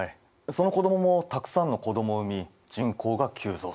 その子どももたくさんの子どもを産み人口が急増する。